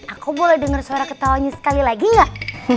aku boleh dengar suaranya sekali lagi gak